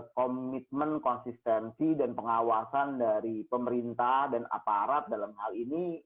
komitmen konsistensi dan pengawasan dari pemerintah dan aparat dalam hal ini